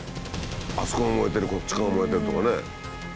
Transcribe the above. あそこが燃えてるこっち側が燃えてるとかね。